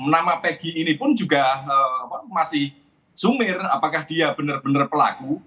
nama peggy ini pun juga masih sumir apakah dia benar benar pelaku